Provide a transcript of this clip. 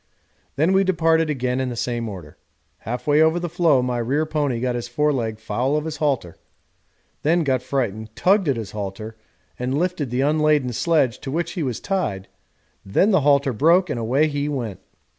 Then we departed again in the same order. Half way over the floe my rear pony got his foreleg foul of his halter, then got frightened, tugged at his halter, and lifted the unladen sledge to which he was tied then the halter broke and away he went.